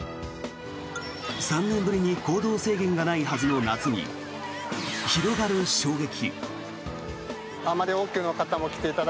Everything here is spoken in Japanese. ３年ぶりに行動制限がないはずの夏に広がる衝撃。